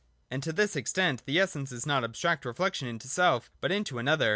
And to this extent the essence is not abstract reflection into self, but into an other.